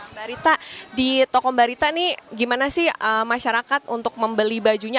mbak arita di toko mbak rita ini gimana sih masyarakat untuk membeli bajunya